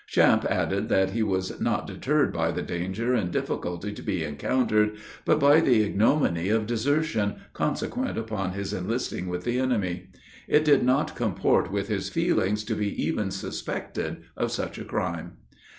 Champe added, that he was not deterred by the danger and difficulty to be encountered, but by the ignominy of desertion, consequent upon his enlisting with the enemy. It did not comport with his feelings to be even suspected of such a crime.